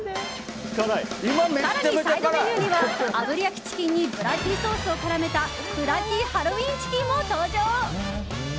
更に、サイドメニューにはあぶり焼きチキンにブラッディソースを絡めたブラッディハロウィンチキンも登場。